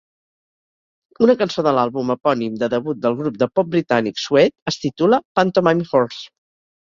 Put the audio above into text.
Una cançó de l"àlbum epònim de debut del grup de pop britànic Suede es titula "Pantomime Horse".